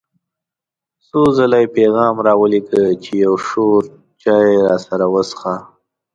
څو ځله یې پیغام را ولېږه چې یو شور چای راسره وڅښه.